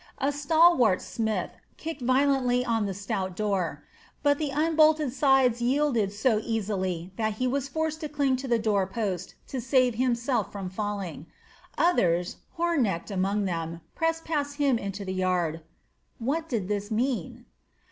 A stalwart smith kicked violently on the stout door; but the unbolted sides yielded so easily that he was forced to cling to the door post to save himself from falling. Others, Hornecht among them, pressed past him into the yard. What did this mean?